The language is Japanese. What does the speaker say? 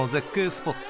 スポット